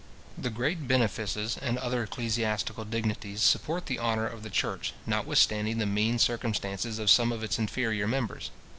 The great benefices and other ecclesiastical dignities support the honour of the church, notwithstanding the mean circumstances of some of its inferior members.